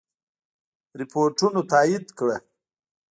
رپوټونو تایید کړه.